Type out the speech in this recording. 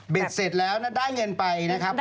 เบ็ดเสร็จแล้วนะได้เงินไปนะครับผม